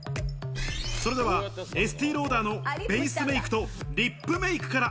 それではエスティローダーのベースメイクとリップメイクから。